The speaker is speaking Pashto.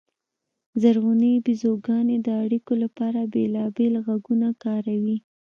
زرغونې بیزوګانې د اړیکو لپاره بېلابېل غږونه کاروي.